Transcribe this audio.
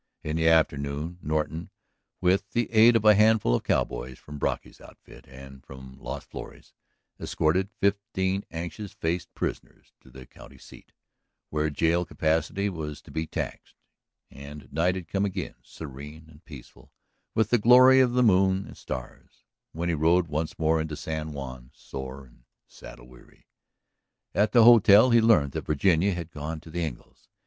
In the afternoon Norton, with the aid of a handful of cowboys from Brocky's outfit and from Las Flores, escorted fifteen anxious faced prisoners to the county seat, where jail capacity was to be taxed. And night had come again, serene and peaceful with the glory of the moon and stars, when he rode once more into San Juan, sore and saddle weary. At the hotel he learned that Virginia had gone to the Engles.